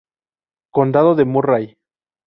Condado de Murray